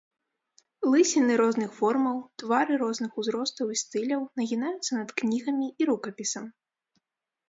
Лысіны розных формаў, твары розных узростаў і стыляў нагінаюцца над кнігамі і рукапісам.